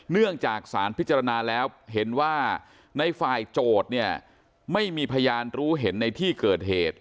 เนื่องจากสารพิจารณาแล้วเห็นว่าในฝ่ายโจทย์เนี่ยไม่มีพยานรู้เห็นในที่เกิดเหตุ